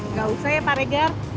nggak usah ya pak regar